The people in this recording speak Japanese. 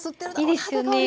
いいですよね。